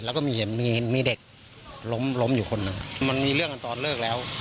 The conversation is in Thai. แล้วก็มีเห็นมีเด็กล้มล้มอยู่คนหนึ่งมันมีเรื่องกันตอนเลิกแล้ว